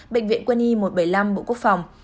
bệnh viện quân y một trăm bảy mươi năm bộ quốc phòng